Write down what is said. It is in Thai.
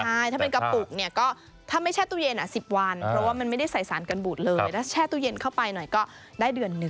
ใช่ถ้าเป็นกระปุกเนี่ยก็ถ้าไม่แช่ตู้เย็น๑๐วันเพราะว่ามันไม่ได้ใส่สารกันบูดเลยถ้าแช่ตู้เย็นเข้าไปหน่อยก็ได้เดือนหนึ่ง